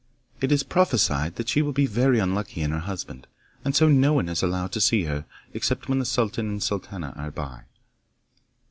'It is prophesied that she will be very unlucky in her husband, and so no one is allowed to see her except when the sultan and sultana are by.